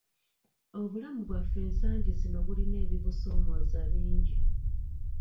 Obulamu bwaffe ensangi zino bulina ebibusoomooza bingi.